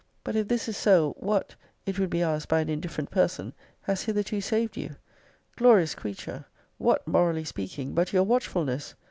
But if this is so, what, [it would be asked by an indifferent person,] has hitherto saved you? Glorious creature! What, morally speaking, but your watchfulness!